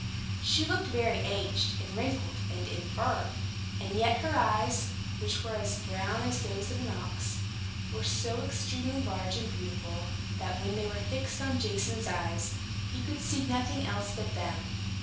She looked very aged, and wrinkled, and infirm; and yet her eyes, which were as brown as those of an ox, were so extremely large and beautiful, that, when they were fixed on Jason's eyes, he could see nothing else but them.